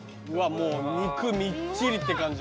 もう肉みっちりって感じ。